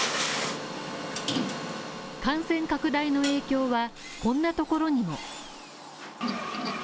感染拡大の影響はこんなところにも。